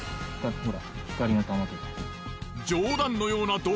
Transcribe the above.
ほら。